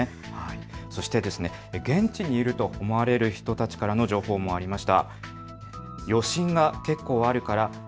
そして現地にいると思われる人たちからの情報もありました。